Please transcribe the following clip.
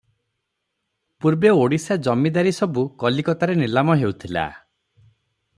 ପୂର୍ବେ ଓଡ଼ିଶା ଜମିଦାରୀ ସବୁ କଲିକତାରେ ନିଲାମ ହେଉଥିଲା ।